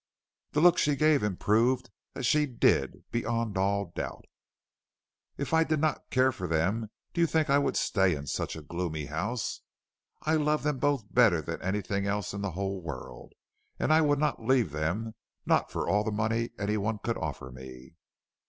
The look she gave him proved that she did, beyond all doubt. "If I did not care for them do you think I would stay in such a gloomy house? I love them both better than anything else in the whole world, and I would not leave them, not for all the money any one could offer me."